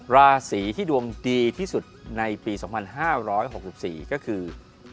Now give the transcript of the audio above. ราศีที่ดวงดีที่สุดในปี๒๕๖๔ก็คือ